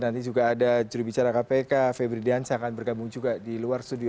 nanti juga ada juri bicara kpk febri diansah akan bergabung juga di luar studio